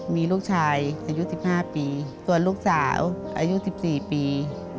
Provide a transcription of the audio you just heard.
มีลูกชายอายุ๑๕ปีส่วนลูกสาวอายุ๑๔ปี